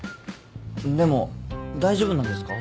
でも大丈夫なんですか？